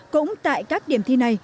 cũng tại các điểm thi này